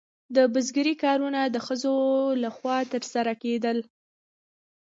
د بزګرۍ کارونه د ښځو لخوا ترسره کیدل.